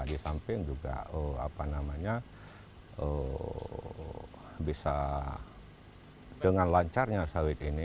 di samping juga bisa dengan lancarnya